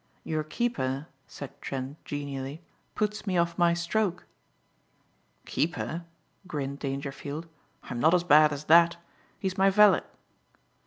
"Your keeper," said Trent genially, "puts me off my stroke." "Keeper," grinned Dangerfield, "I'm not as bad as that. He's my valet."